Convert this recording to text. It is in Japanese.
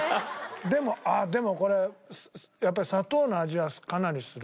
あっでもこれやっぱり砂糖の味はかなりする。